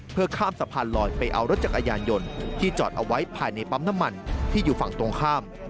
เพื่อข้ามสะพานลอยไปเอารถจักรยานยนต์ที่จอดเอาไว้ภายในปั๊มน้ำมันที่อยู่ฝั่งตรงข้าม